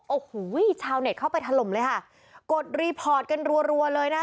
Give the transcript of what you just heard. โอ้โหชาวเน็ตเข้าไปถล่มเลยค่ะกดรีพอร์ตกันรัวเลยนะคะ